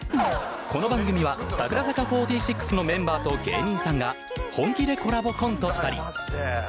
この番組は櫻坂４６のメンバーと芸人さんが本気でコラボコントしたり。